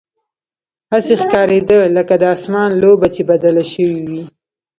هسې ښکارېده لکه د اسمان لوبه چې بدله شوې وي.